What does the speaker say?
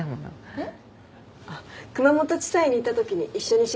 えっ？